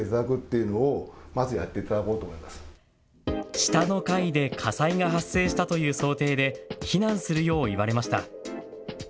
下の階で火災が発生したという想定で避難するよう言われました。